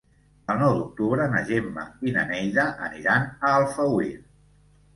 El nou d'octubre na Gemma i na Neida aniran a Alfauir.